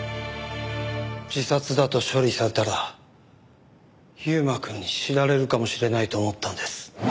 自殺だと処理されたら優馬くんに知られるかもしれないと思ったんです。